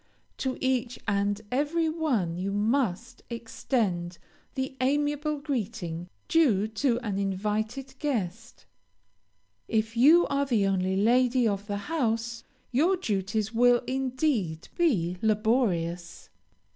To each and every one you must extend the amiable greeting due to an invited guest. If you are the only lady of the house, your duties will, indeed, be laborious.